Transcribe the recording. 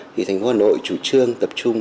thì thành phố hà nội chủ trương tập trung